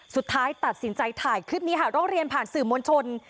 สุดท้ายตัดสินใจถ่ายคลิปนี้ค่ะร้องเรียนผ่านสื่อมวลชน